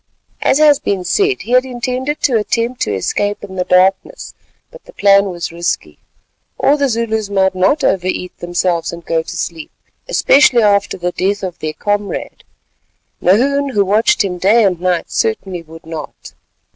As has been said, he had intended to attempt to escape in the darkness, but the plan was risky. All the Zulus might not over eat themselves and go to sleep, especially after the death of their comrade; Nahoon, who watched him day and night, certainly would not.